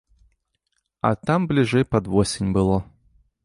А там бліжэй пад восень было.